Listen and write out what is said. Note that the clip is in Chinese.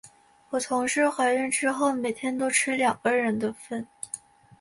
我同事怀孕之后，每天都吃两个人的份。